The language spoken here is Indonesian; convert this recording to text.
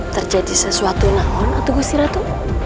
terjadi sesuatu nakon atau gusti ratu